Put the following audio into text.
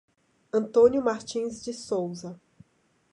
Antônio Martins de Souza